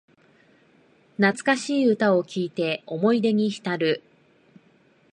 懐かしい歌を聴いて思い出にひたる